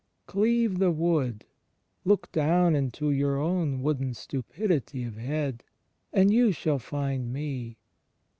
"Cleave the Wood" — look down into your own wooden stupidity of head, "and you shall find me.